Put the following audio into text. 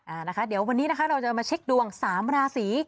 อ่านะคะเดี๋ยววันนี้นะคะเราจะมาเช็คดวงสามราศี